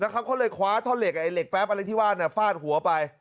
เขาเลยคว้าท่อนเหล็กแป๊บอะไรที่ว่าฟาดหัวไป